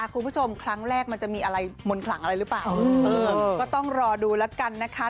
คุณผู้ชมครั้งแรกมันจะมีอะไรมนต์ขลังอะไรหรือเปล่าก็ต้องรอดูแล้วกันนะคะ